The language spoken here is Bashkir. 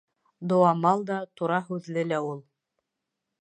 Дыуамал да, тура һүҙле лә ул.